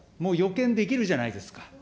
もう予見できるじゃないですか。